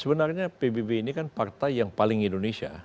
sebenarnya pbb ini kan partai yang paling indonesia